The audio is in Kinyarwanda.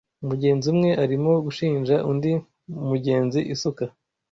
Umugenzi umwe arimo gushinja undi mugenzi isuka